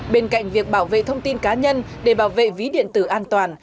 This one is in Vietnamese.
bên cạnh việc bảo vệ thông tin cá nhân để bảo vệ ví điện tử an toàn